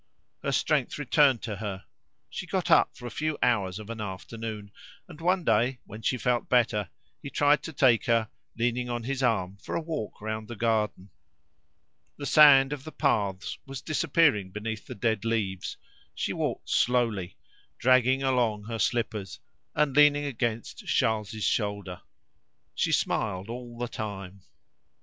Her strength returned to her; she got up for a few hours of an afternoon, and one day, when she felt better, he tried to take her, leaning on his arm, for a walk round the garden. The sand of the paths was disappearing beneath the dead leaves; she walked slowly, dragging along her slippers, and leaning against Charles's shoulder. She smiled all the time.